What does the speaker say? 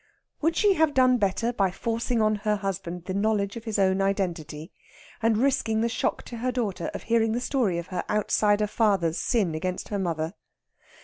Would she have done better by forcing on her husband the knowledge of his own identity, and risking the shock to her daughter of hearing the story of her outsider father's sin against her mother?